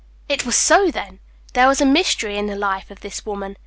It was so, then! There was a mystery in the life of this woman.